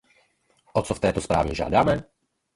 O co v této zprávě žádáme?